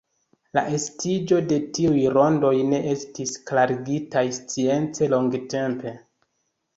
La estiĝo de tiuj rondoj ne estis klarigitaj science longtempe.